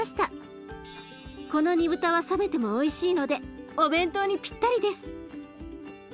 この煮豚は冷めてもおいしいのでお弁当にぴったりです。